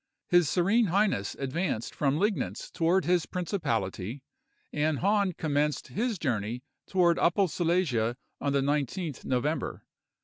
His serene highness advanced from Leignitz toward his principality, and Hahn also commenced his journey toward Upper Silesia on the 19th November.